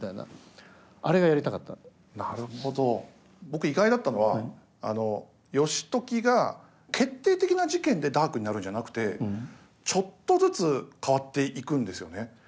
僕意外だったのは義時が決定的な事件でダークになるんじゃなくてちょっとずつ変わっていくんですよね。